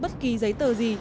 bất kỳ giấy tờ gì